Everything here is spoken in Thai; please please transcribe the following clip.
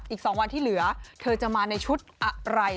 อีก๒วันที่เหลือเธอจะมาในชุดอะไร